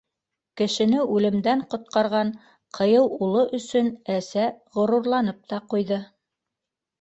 Кешене үлемдән ҡотҡарған ҡыйыу улы өсөн әсә ғорурланып та ҡуйҙы.